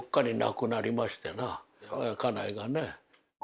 家内がね。